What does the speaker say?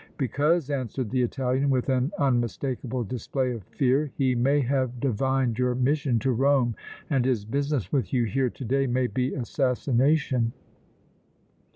"Because," answered the Italian, with an unmistakable display of fear, "he may have divined your mission to Rome and his business with you here to day may be assassination!"